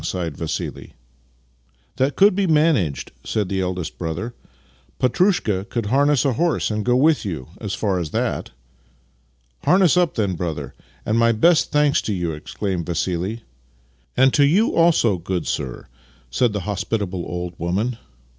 sighed Vassili. " Tliat could be managed," said the eldest brother. " Petrushka could harness a horse and go with you as far as that." " Harness up, then, brother, and my best thanks to you," exclaimed Vassili. " And to you also, good sir," said the hospitable old woman.